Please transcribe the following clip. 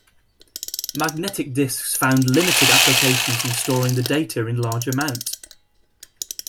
Magnetic disks found limited applications in storing the data in large amount.